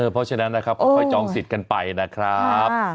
เพราะฉะนั้นนะครับค่อยจองสิทธิ์กันไปนะครับ